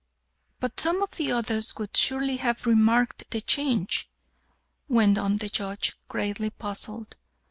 "But some of the others would surely have remarked the change?" went on the Judge, greatly puzzled.